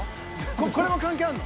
これも関係あるの？